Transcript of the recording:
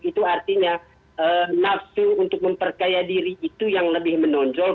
itu artinya nafsu untuk memperkaya diri itu yang lebih menonjol